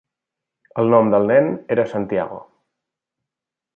El nom del nen era Santiago.